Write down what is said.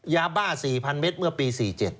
ยาบ้า๔๐๐เมตรเมื่อปี๔๗